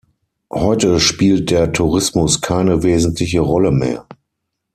Heute spielt der Tourismus keine wesentliche Rolle mehr.